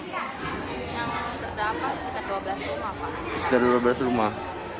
yang terdampak sekitar dua belas rumah pak